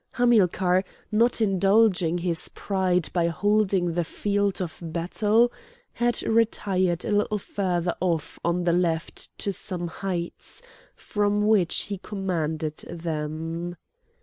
Hamilcar, not indulging his pride by holding the field of battle, had retired a little further off on the left to some heights, from which he commanded them.